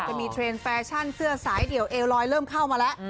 จะมีเทรนดแฟชั่นเสื้อสายเดี่ยวเอลลอยเริ่มเข้ามาแล้ว